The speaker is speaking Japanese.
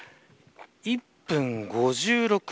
１分５６。